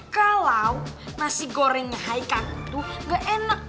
kalau nasi gorengnya haikat itu gak enak